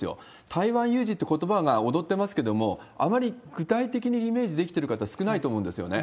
台湾有事ってことばが躍ってますけれども、あまり具体的にイメージできてる方、少ないと思うんですよね。